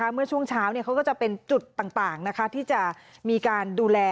เมื่อช่วงเช้าเขาก็จะเป็นจุดต่างที่จะมีการดูแล